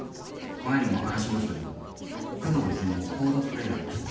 前にも話しましたけど工藤泉もＣＯＤＥプレイヤーでした。